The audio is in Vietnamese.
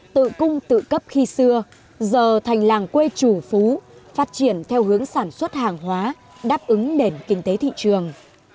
tự cung tự cấp khi xưa giờ thành làng quê chủ phú phát triển theo hướng sản xuất hàng hóa đáp ứng nền kinh tế thị trường